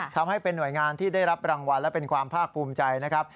ทำให้เป็นหน่วยงานที่ได้รับรางวัลและเป็นความภาคภูมิใจนะครับ